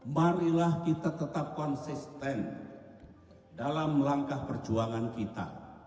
marilah kita tetap konsisten dalam langkah perjuangan kita